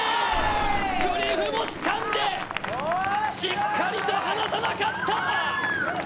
クリフをつかんで、しっかりと離さなかった！